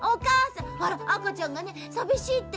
あかちゃんがねさびしいって。